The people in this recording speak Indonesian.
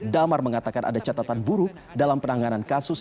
damar mengatakan ada catatan buruk dalam penanganan kasus